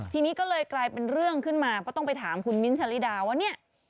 ทีนี้ก็เลยกลายเป็นเรื่องขึ้นมาก็ต้องไปถามคุณมิ้นท์ชะลิดาว่าเนี่ย